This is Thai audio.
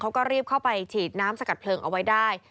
เขาก็รีบเข้าไปฉีดน้ำสกัดเพลิงเอาไว้ได้